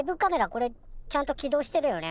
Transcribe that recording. これちゃんと起動してるよね？